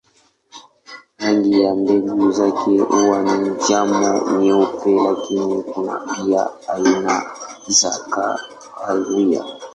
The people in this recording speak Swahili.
Rangi ya mbegu zake huwa ni njano, nyeupe lakini kuna pia aina za kahawia.